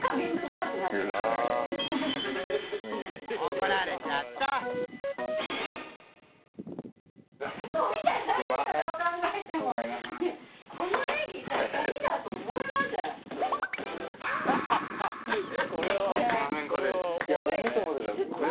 怒られちゃったこれ。